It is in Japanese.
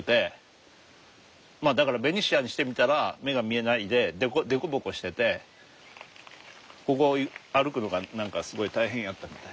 まあだからベニシアにしてみたら目が見えないで凸凹しててここ歩くのが何かすごい大変やったみたい。